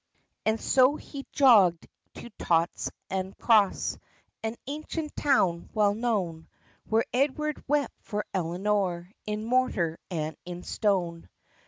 And so he jogged to Tot'n'am Cross, An ancient town well known, Where Edward wept for Eleanor In mortar and in stone.